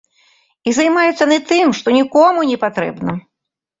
І займаюцца яны тым, што нікому не патрэбна.